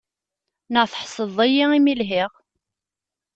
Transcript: Neɣ tḥesdeḍ-iyi imi i lhiɣ?